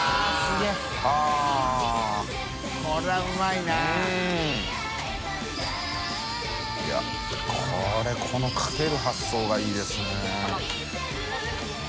いこれこのかける発想がいいですね。